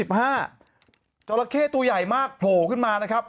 ใช่อายุ๑๕จอละเข้ตัวใหญ่มากโผล่ขึ้นมานะครับ